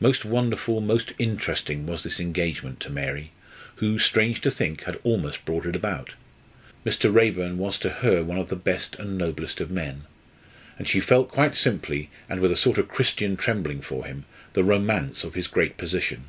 Most wonderful, most interesting was this engagement to Mary, who strange to think! had almost brought it about. Mr. Raeburn was to her one of the best and noblest of men, and she felt quite simply, and with a sort of Christian trembling for him, the romance of his great position.